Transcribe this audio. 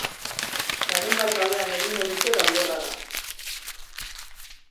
Larunbat gauean egingo dute danborrada.